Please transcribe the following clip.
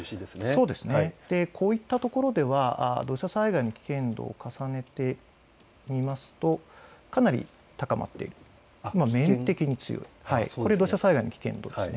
こういったところでは土砂災害の危険度を重ねてみるとかなり高まっている、これは土砂災害の危険度です。